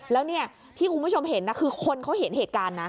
แล้วเนี่ยที่คุณผู้ชมเห็นคือคนเขาเห็นเหตุการณ์นะ